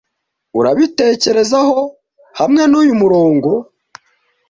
urabitekerezaho hamwe nuyu murongo